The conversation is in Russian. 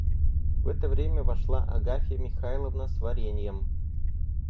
В это время вошла Агафья Михайловна с вареньем.